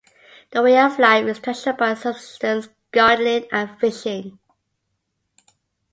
The way of life is traditional by subsistence gardening and fishing.